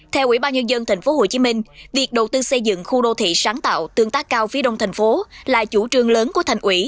theo ủy ban nhân dân tp hcm việc đầu tư xây dựng khu đô thị sáng tạo tương tác cao phía đông thành phố là chủ trương lớn của thành ủy